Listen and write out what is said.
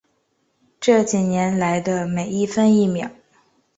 这几年来的每一分一秒